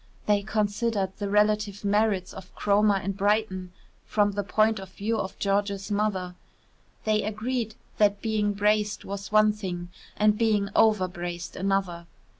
They considered the relative merits of Cromer and Brighton from the point of view of George's mother; they agreed that being braced was one thing and being overbraced another.